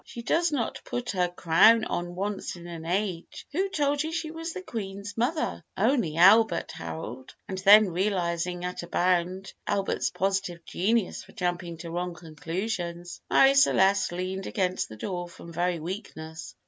She does not put her crown on once in an age. Who told you she was the Queen's mother?" "Only Albert, Harold;" and then realizing at a bound Albert's positive genius for jumping to wrong conclusions, Marie Celeste leaned against the door from very weakness.